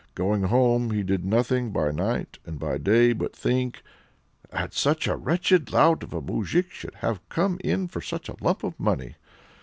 Going home, he did nothing by night and by day but think, "That such a wretched lout of a moujik should have come in for such a lump of money!